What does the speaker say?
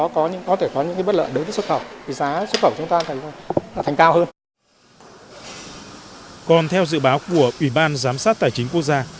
còn theo dự báo của ủy ban giám sát tài chính quốc gia